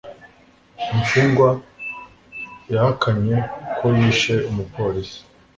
Imfungwa yahakanye ko yishe umupolisi.